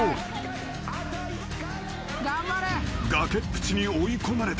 ［崖っぷちに追い込まれた］